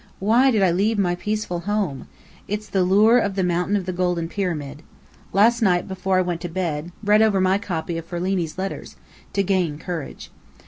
Why did I leave my peaceful home? It's the lure of the Mountain of the Golden Pyramid. Last night before I went to bed, read over my copy of Ferlini's letters, to gain courage.